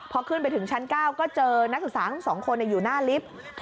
พอขึ้นไปถึงชั้น๙ก็เจอนักศึกษาทั้ง๒คนอยู่หน้าลิฟต์